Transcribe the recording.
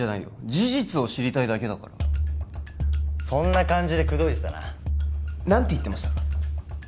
事実を知りたいだけだからそんな感じで口説いてたな何て言ってましたか？